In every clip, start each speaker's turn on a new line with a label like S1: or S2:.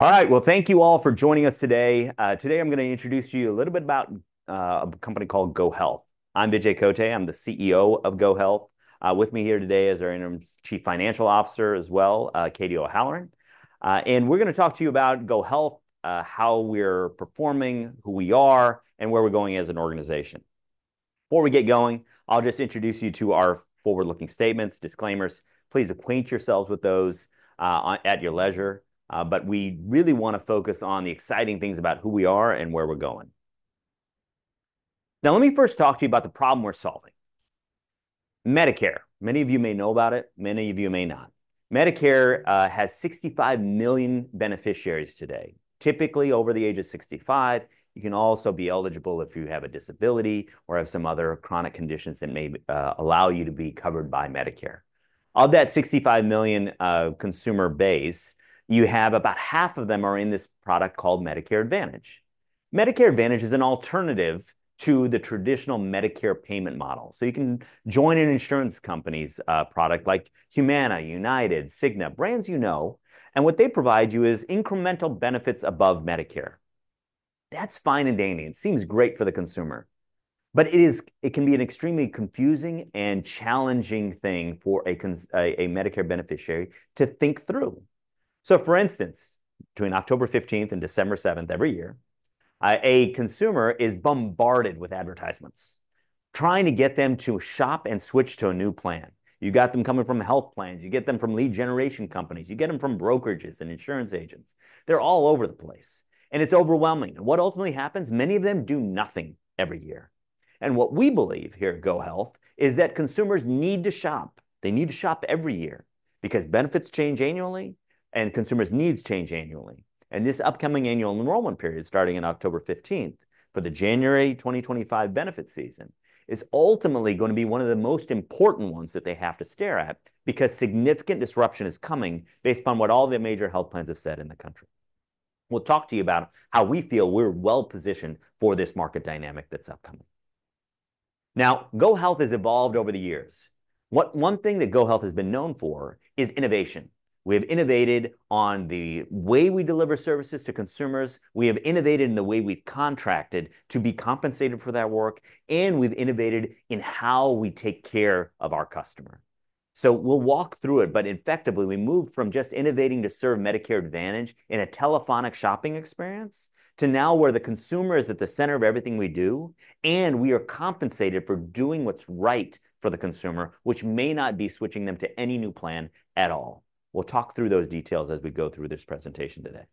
S1: All right, well, thank you all for joining us today. Today I'm gonna introduce to you a little bit about a company called GoHealth. I'm Vijay Kotte. I'm the CEO of GoHealth. With me here today is our Interim Chief Financial Officer as well, Katie O'Halloran. And we're gonna talk to you about GoHealth, how we're performing, who we are, and where we're going as an organization. Before we get going, I'll just introduce you to our forward-looking statements, disclaimers. Please acquaint yourselves with those at your leisure. But we really wanna focus on the exciting things about who we are and where we're going. Now, let me first talk to you about the problem we're solving. Medicare, many of you may know about it, many of you may not. Medicare has 65 million beneficiaries today, typically over the age of 65. You can also be eligible if you have a disability or have some other chronic conditions that may allow you to be covered by Medicare. Of that 65 million consumer base, you have about half of them are in this product called Medicare Advantage. Medicare Advantage is an alternative to the traditional Medicare payment model, so you can join an insurance company's product, like Humana, United, Cigna, brands you know, and what they provide you is incremental benefits above Medicare. That's fine and dandy, and it seems great for the consumer. But it can be an extremely confusing and challenging thing for a consumer, a Medicare beneficiary to think through. So, for instance, between October 15th and December 7th every year, a consumer is bombarded with advertisements trying to get them to shop and switch to a new plan. You got them coming from the health plans. You get them from lead generation companies. You get them from brokerages and insurance agents. They're all over the place, and it's overwhelming, and what ultimately happens, many of them do nothing every year. What we believe here at GoHealth is that consumers need to shop. They need to shop every year because benefits change annually, and consumers' needs change annually, and this upcoming annual enrollment period, starting on October 15th, for the January 2025 benefit season, is ultimately gonna be one of the most important ones that they have to stare at because significant disruption is coming based upon what all the major health plans have said in the country. We'll talk to you about how we feel we're well-positioned for this market dynamic that's upcoming. Now, GoHealth has evolved over the years. One thing that GoHealth has been known for is innovation. We have innovated on the way we deliver services to consumers, we have innovated in the way we've contracted to be compensated for that work, and we've innovated in how we take care of our customer. So we'll walk through it, but effectively, we moved from just innovating to serve Medicare Advantage in a telephonic shopping experience to now where the consumer is at the center of everything we do, and we are compensated for doing what's right for the consumer, which may not be switching them to any new plan at all. We'll talk through those details as we go through this presentation today.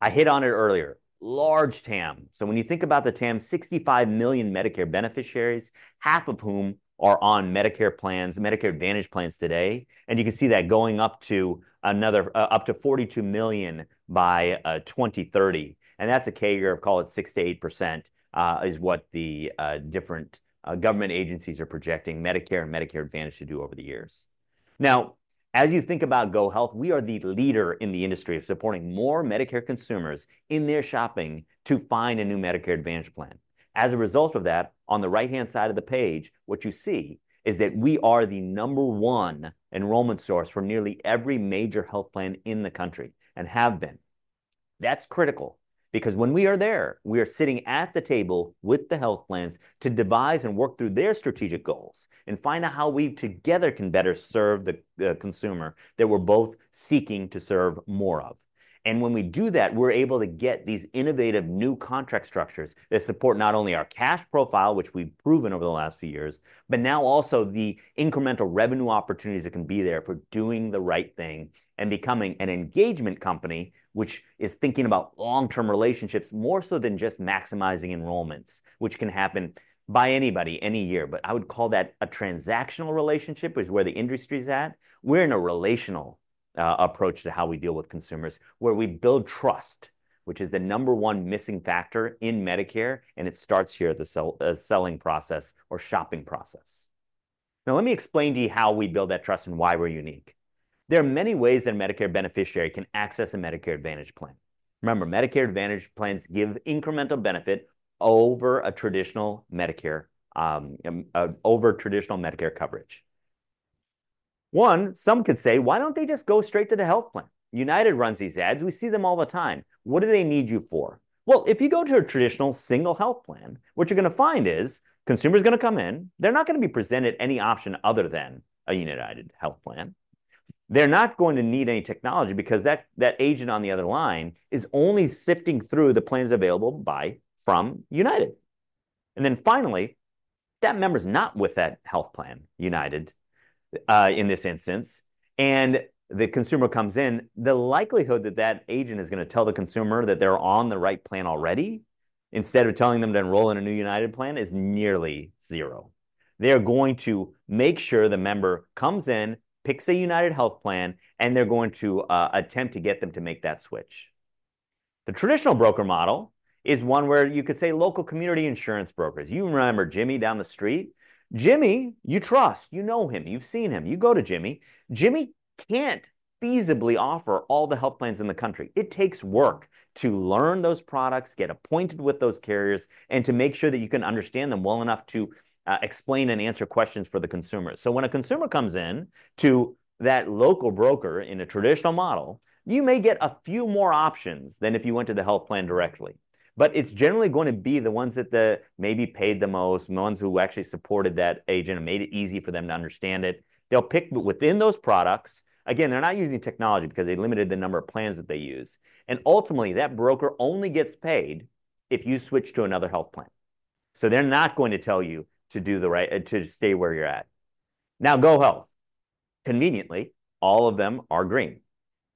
S1: I hit on it earlier, large TAM. So when you think about the TAM, 65 million Medicare beneficiaries, half of whom are on Medicare plans, Medicare Advantage plans today, and you can see that going up to another, up to 42 million by 2030, and that's a CAGR of, call it, 6%-8%, is what the different government agencies are projecting Medicare and Medicare Advantage to do over the years. Now, as you think about GoHealth, we are the leader in the industry of supporting more Medicare consumers in their shopping to find a new Medicare Advantage plan. As a result of that, on the right-hand side of the page, what you see is that we are the number one enrollment source for nearly every major health plan in the country and have been. That's critical because when we are there, we are sitting at the table with the health plans to devise and work through their strategic goals and find out how we, together, can better serve the, the consumer that we're both seeking to serve more of. And when we do that, we're able to get these innovative new contract structures that support not only our cash profile, which we've proven over the last few years, but now also the incremental revenue opportunities that can be there for doing the right thing and becoming an engagement company, which is thinking about long-term relationships more so than just maximizing enrollments, which can happen by anybody, any year. But I would call that a transactional relationship, which is where the industry's at. We're in a relational approach to how we deal with consumers, where we build trust, which is the number one missing factor in Medicare, and it starts here at the sell, selling process or shopping process. Now, let me explain to you how we build that trust and why we're unique. There are many ways that a Medicare beneficiary can access a Medicare Advantage plan. Remember, Medicare Advantage plans give incremental benefit over a traditional Medicare, over traditional Medicare coverage. One, some could say, "Why don't they just go straight to the health plan?" United runs these ads. We see them all the time. What do they need you for? Well, if you go to a traditional single health plan, what you're gonna find is, consumer's gonna come in. They're not gonna be presented any option other than a United health plan. They're not going to need any technology because that, that agent on the other line is only sifting through the plans available by, from United. And then finally, that member's not with that health plan, United, in this instance, and the consumer comes in, the likelihood that that agent is gonna tell the consumer that they're on the right plan already, instead of telling them to enroll in a new United plan, is nearly zero. They are going to make sure the member comes in, picks a United health plan, and they're going to attempt to get them to make that switch. The traditional broker model is one where you could say local community insurance brokers. You remember Jimmy down the street? Jimmy, you trust. You know him. You've seen him. You go to Jimmy. Jimmy can't feasibly offer all the health plans in the country. It takes work to learn those products, get appointed with those carriers, and to make sure that you can understand them well enough to explain and answer questions for the consumer. So when a consumer comes in to that local broker in a traditional model, you may get a few more options than if you went to the health plan directly, but it's generally going to be the ones that maybe paid the most, the ones who actually supported that agent and made it easy for them to understand it. They'll pick within those products. Again, they're not using technology, because they limited the number of plans that they use, and ultimately, that broker only gets paid if you switch to another health plan. So they're not going to tell you to do the right to stay where you're at. Now, GoHealth, conveniently, all of them are green.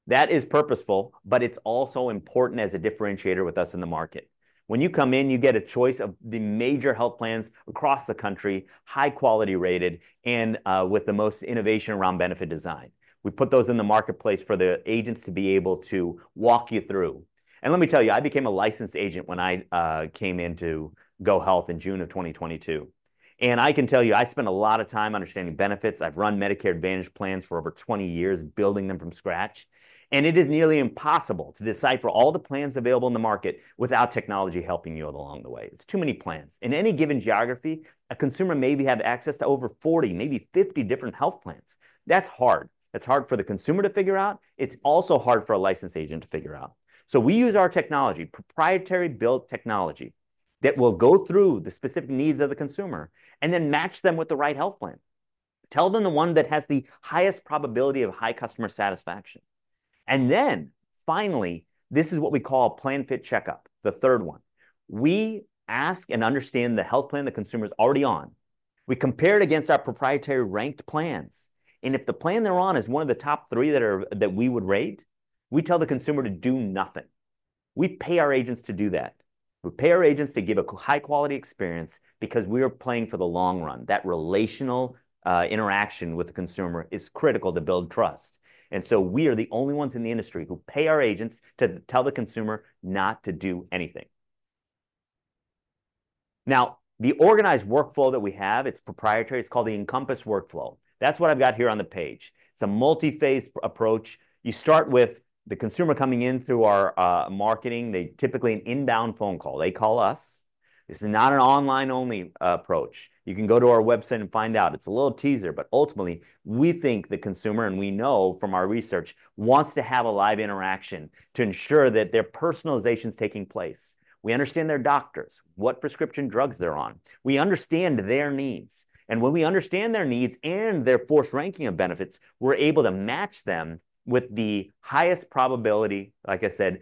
S1: That is purposeful, but it's also important as a differentiator with us in the market. When you come in, you get a choice of the major health plans across the country, high quality rated, and with the most innovation around benefit design. We put those in the marketplace for the agents to be able to walk you through. And let me tell you, I became a licensed agent when I came into GoHealth in June of 2022, and I can tell you, I spent a lot of time understanding benefits. I've run Medicare Advantage plans for over 20 years, building them from scratch, and it is nearly impossible to decipher all the plans available in the market without technology helping you along the way. It's too many plans. In any given geography, a consumer may be have access to over 40, maybe 50 different health plans. That's hard. It's hard for the consumer to figure out. It's also hard for a licensed agent to figure out. So we use our technology, proprietary-built technology, that will go through the specific needs of the consumer and then match them with the right health plan, tell them the one that has the highest probability of high customer satisfaction. And then, finally, this is what we call a PlanFit Check-Up, the third one. We ask and understand the health plan the consumer's already on. We compare it against our proprietary ranked plans, and if the plan they're on is one of the top three that we would rate, we tell the consumer to do nothing. We pay our agents to do that. We pay our agents to give a high-quality experience because we are playing for the long run. That relational interaction with the consumer is critical to build trust, and so we are the only ones in the industry who pay our agents to tell the consumer not to do anything. Now, the organized workflow that we have, it's proprietary. It's called the Encompass Workflow. That's what I've got here on the page. It's a multi-phase approach. You start with the consumer coming in through our marketing. Typically an inbound phone call. They call us. This is not an online-only approach. You can go to our website and find out. It's a little teaser, but ultimately, we think the consumer, and we know from our research, wants to have a live interaction to ensure that their personalization's taking place. We understand their doctors, what prescription drugs they're on. We understand their needs, and when we understand their needs and their forced ranking of benefits, we're able to match them with the highest probability, like I said,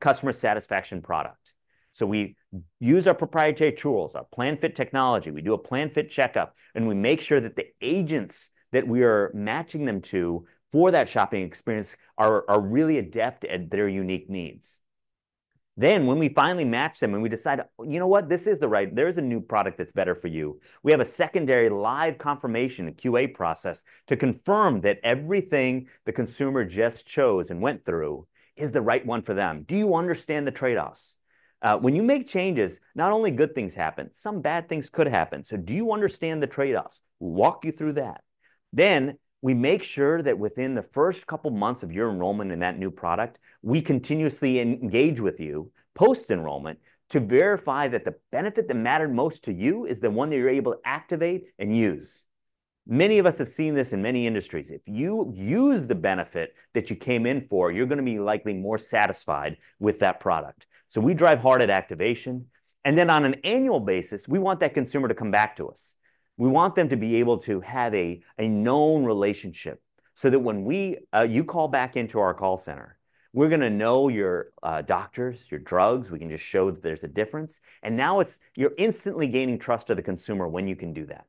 S1: customer satisfaction product. So we use our proprietary tools, our PlanFit technology. We do a PlanFit Check-Up, and we make sure that the agents that we are matching them to for that shopping experience are really adept at their unique needs. Then, when we finally match them, and we decide, "You know what? There's a new product that's better for you," we have a secondary live confirmation, a QA process, to confirm that everything the consumer just chose and went through is the right one for them. "Do you understand the trade-offs? When you make changes, not only good things happen, some bad things could happen. So do you understand the trade-offs? We'll walk you through that. Then, we make sure that within the first couple months of your enrollment in that new product, we continuously engage with you post-enrollment to verify that the benefit that mattered most to you is the one that you're able to activate and use. Many of us have seen this in many industries. If you use the benefit that you came in for, you're gonna be likely more satisfied with that product. So we drive hard at activation, and then on an annual basis, we want that consumer to come back to us. We want them to be able to have a known relationship so that when you call back into our call center, we're gonna know your doctors, your drugs. We can just show that there's a difference, and now it's... You're instantly gaining trust of the consumer when you can do that.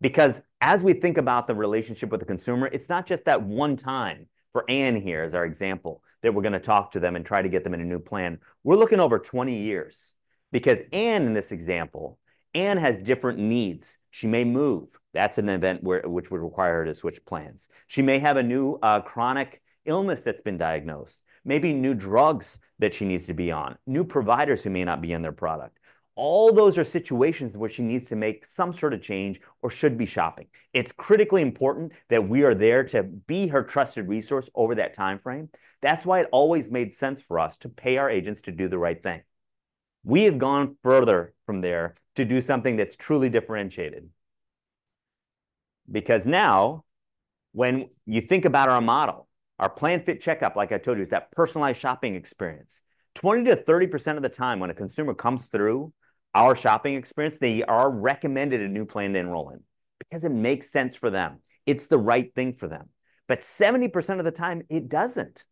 S1: Because as we think about the relationship with the consumer, it's not just that one time, for Anne here as our example, that we're gonna talk to them and try to get them in a new plan. We're looking over 20 years, because Anne, in this example, Anne has different needs. She may move. That's an event which would require her to switch plans. She may have a new chronic illness that's been diagnosed, maybe new drugs that she needs to be on, new providers who may not be in their product. All those are situations where she needs to make some sort of change or should be shopping. It's critically important that we are there to be her trusted resource over that timeframe. That's why it always made sense for us to pay our agents to do the right thing. We have gone further from there to do something that's truly differentiated, because now, when you think about our model, our PlanFit Check-Up, like I told you, is that personalized shopping experience. 20%-30% of the time, when a consumer comes through our shopping experience, they are recommended a new plan to enroll in because it makes sense for them. It's the right thing for them, but 70% of the time, it doesn't.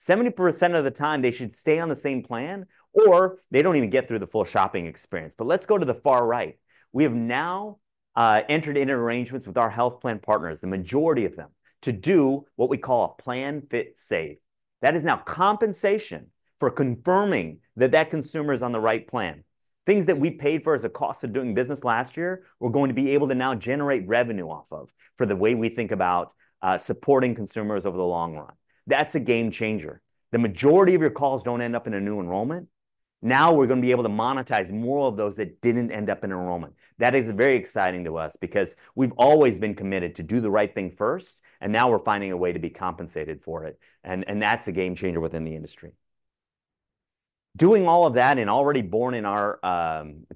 S1: 70% of the time, they should stay on the same plan, or they don't even get through the full shopping experience. But let's go to the far right. We have now entered into arrangements with our health plan partners, the majority of them, to do what we call a PlanFit Save. That is now compensation for confirming that that consumer is on the right plan. Things that we paid for as a cost of doing business last year, we're going to be able to now generate revenue off of for the way we think about supporting consumers over the long run. That's a game changer. The majority of your calls don't end up in a new enrollment?...Now we're gonna be able to monetize more of those that didn't end up in enrollment. That is very exciting to us, because we've always been committed to do the right thing first, and now we're finding a way to be compensated for it, and that's a game changer within the industry. Doing all of that, and already born in our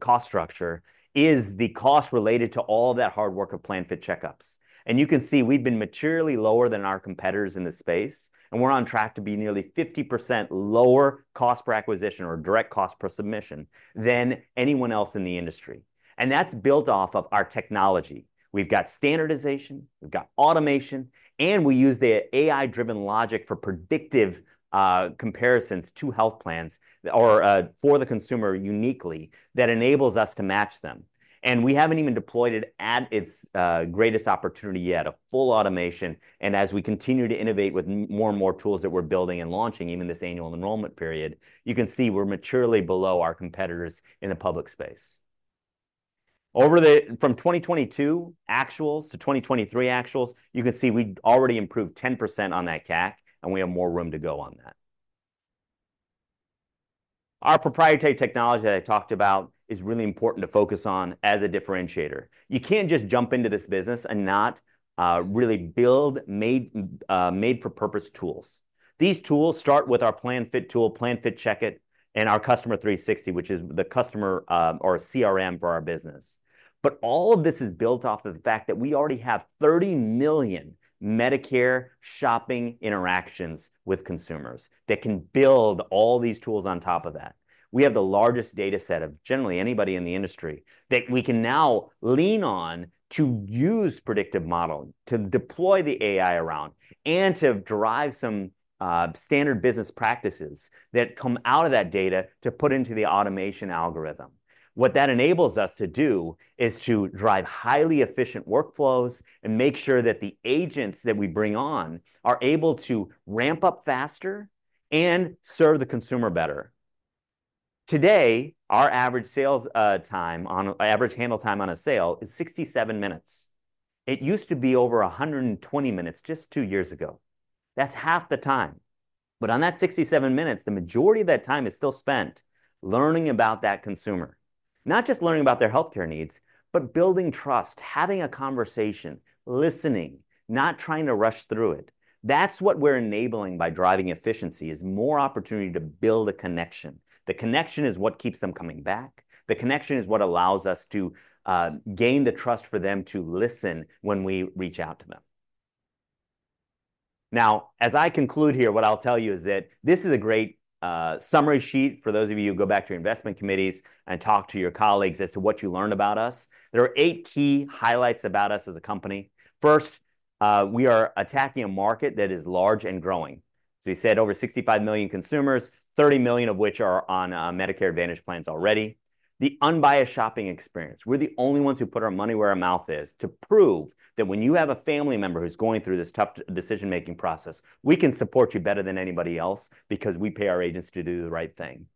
S1: cost structure, is the cost related to all that hard work of PlanFit Check-Ups, and you can see we've been materially lower than our competitors in the space, and we're on track to be nearly 50% lower cost per acquisition or direct cost per submission than anyone else in the industry, and that's built off of our technology. We've got standardization, we've got automation, and we use the AI-driven logic for predictive comparisons to health plans or for the consumer uniquely that enables us to match them. And we haven't even deployed it at its greatest opportunity yet, a full automation, and as we continue to innovate with more and more tools that we're building and launching, even this annual enrollment period, you can see we're materially below our competitors in the public space. From 2022 actuals to 2023 actuals, you can see we've already improved 10% on that CAC, and we have more room to go on that. Our proprietary technology that I talked about is really important to focus on as a differentiator. You can't just jump into this business and not really build made-for-purpose tools. These tools start with our PlanFit tool, PlanFit Check-Up, and our Customer 360, which is the customer or CRM for our business. But all of this is built off of the fact that we already have 30 million Medicare shopping interactions with consumers that can build all these tools on top of that. We have the largest data set of generally anybody in the industry that we can now lean on to use predictive modeling, to deploy the AI around, and to drive some standard business practices that come out of that data to put into the automation algorithm. What that enables us to do is to drive highly efficient workflows and make sure that the agents that we bring on are able to ramp up faster and serve the consumer better. Today, our average sales average handle time on a sale is 67 minutes. It used to be over 120 minutes just two years ago. That's half the time. But on that sixty-seven minutes, the majority of that time is still spent learning about that consumer, not just learning about their healthcare needs, but building trust, having a conversation, listening, not trying to rush through it. That's what we're enabling by driving efficiency, is more opportunity to build a connection. The connection is what keeps them coming back. The connection is what allows us to, gain the trust for them to listen when we reach out to them. Now, as I conclude here, what I'll tell you is that this is a great, summary sheet for those of you who go back to your investment committees and talk to your colleagues as to what you learned about us. There are eight key highlights about us as a company. First, we are attacking a market that is large and growing. As we said, over 65 million consumers, 30 million of which are on Medicare Advantage plans already. The unbiased shopping experience. We're the only ones who put our money where our mouth is to prove that when you have a family member who's going through this tough decision-making process, we can support you better than anybody else because we pay our agents to do the right thing.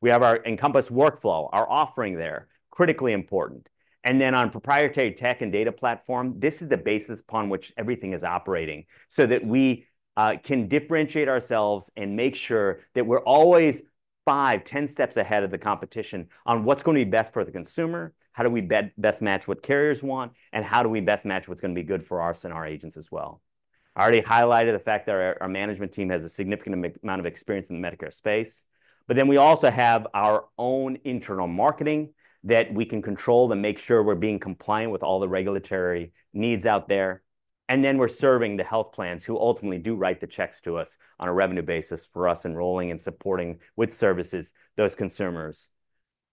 S1: We have our Encompass Workflow, our offering there, critically important. And then on proprietary tech and data platform, this is the basis upon which everything is operating so that we can differentiate ourselves and make sure that we're always 5, 10 steps ahead of the competition on what's gonna be best for the consumer, how do we best match what carriers want, and how do we best match what's gonna be good for us and our agents as well? I already highlighted the fact that our management team has a significant amount of experience in the Medicare space, but then we also have our own internal marketing that we can control to make sure we're being compliant with all the regulatory needs out there, and then we're serving the health plans, who ultimately do write the checks to us on a revenue basis for us enrolling and supporting with services those consumers,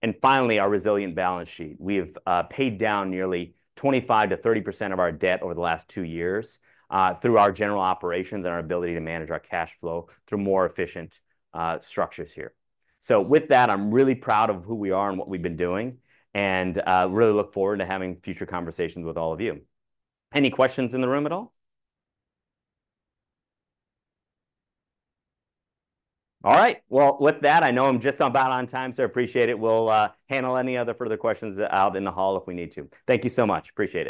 S1: and finally, our resilient balance sheet. We have paid down nearly 25%-30% of our debt over the last two years through our general operations and our ability to manage our cash flow through more efficient structures here, so with that, I'm really proud of who we are and what we've been doing and really look forward to having future conversations with all of you. Any questions in the room at all? All right. Well, with that, I know I'm just about on time, so I appreciate it. We'll handle any other further questions out in the hall if we need to. Thank you so much. Appreciate it.